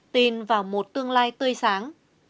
tin vào một tương lai tươi sáng